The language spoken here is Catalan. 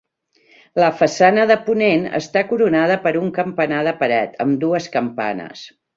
La façana de ponent està coronada per un campanar de paret, amb dues campanes.